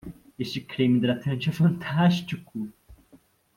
Este creme hidratante é fantástico.